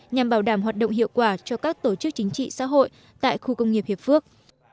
nhằm bảo đảm hoạt động hiệu quả cho các tổ chức chính trị xã hội tại khu công nghiệp hiệp phước